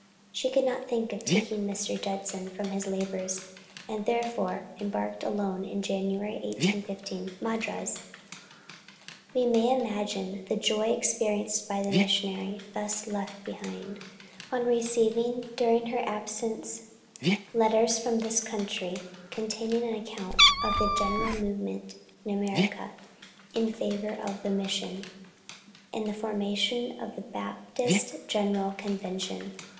She could not think of taking Mr. Judson from his labors, and therefore embarked alone in January, 1815, for Madras. We may imagine the joy experienced by the missionary, thus left behind, on receiving during her absence letters from this country, containing an account of the general movement in America in favor of the Mission, and the formation of the Baptist General Convention.